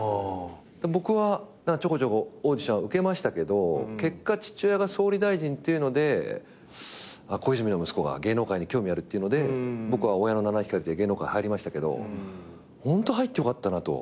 僕はちょこちょこオーディションは受けましたけど結果父親が総理大臣っていうので小泉の息子が芸能界に興味あるっていうので僕は親の七光りで芸能界入りましたけどホント入って良かったなと。